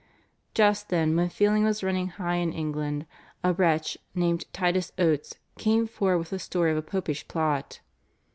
Just then, when feeling was running high in England, a wretch named Titus Oates came forward with a story of a Popish Plot.